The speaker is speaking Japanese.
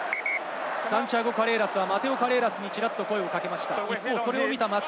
サンティアゴ・カレーラス、マテオ・カレーラスにちらっと声をかけました。